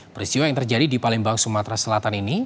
peristiwa yang terjadi di palembang sumatera selatan ini